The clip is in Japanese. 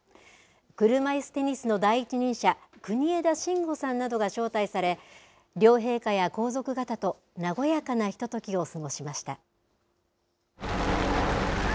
車いすテニスの第一人者国枝慎吾さんなどが招待され両陛下や皇族方と和やかなひとときを過ごしました。